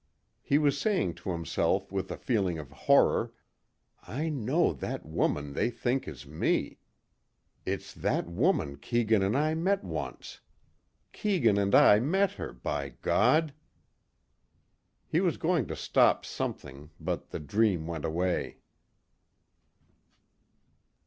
He was saying to himself with a feeling of horror, "I know that woman they think is me. It's that woman Keegan and I met once. Keegan and I met her, by God!" He was going to stop something but the dream went away.